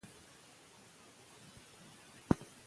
ادبي پروګرامونه په پوهنتونونو کې ډېر ګټور دي.